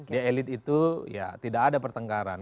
di elit itu ya tidak ada pertengkaran